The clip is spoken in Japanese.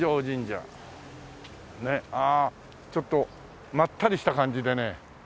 ああちょっとまったりした感じでね。